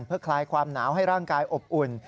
เพื่อคลายความหนาวให้ร่างกายอบอุ่น